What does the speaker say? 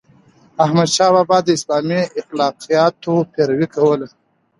احمدشاه بابا د اسلامي اخلاقياتو پیروي کوله.